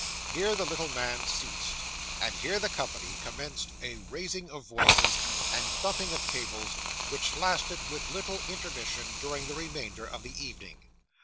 Here the little man ceased, and here the company commenced a raising of voices, and thumping of tables, which lasted with little intermission during the remainder of the evening.